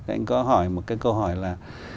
anh có hỏi một cái câu hỏi là